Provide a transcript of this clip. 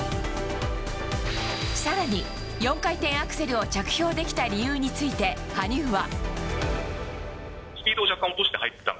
更に４回転アクセルを着氷できた理由について羽生は。